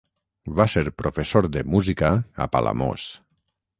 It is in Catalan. Va ser professor de música a Palamós.